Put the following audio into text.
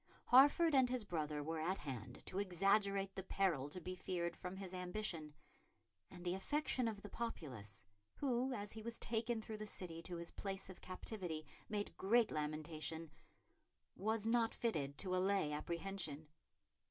Hertford and his brother were at hand to exaggerate the peril to be feared from his ambition; and the affection of the populace, who, as he was taken through the city to his place of captivity, made great lamentation, was not fitted to allay apprehension.